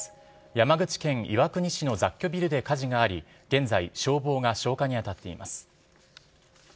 山口県岩国市の雑居ビルで火事があり現在消防が消火に当たっています。